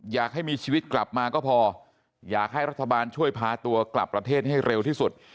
อยากให้มีชีวิตกลับมาก็พออยากให้รัฐบาลช่วยพาตัวกลับประเทศให้เร็วที่สุด